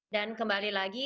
dan kembali lagi